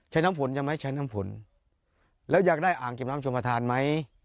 น้ำผลใช่ไหมใช้น้ำผลแล้วอยากได้อ่างเก็บน้ำชมประธานไหม